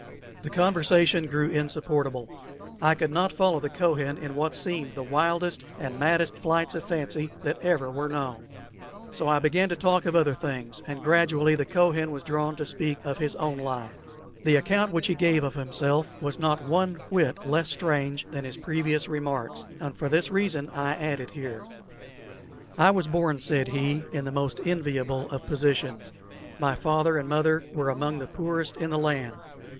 The conversation grew insupportable. I could not follow the Kohen in what seemed the wildest and maddest flights of fancy that ever were known; so I began to talk of other things, and gradually the Kohen was drawn to speak of his own life. The account which he gave of himself was not one whit less strange than his previous remarks, and for this reason I add it here. "I was born," said he, "in the most enviable of positions. My father and mother were among the poorest in the land.